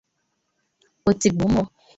tigbuo mmụọ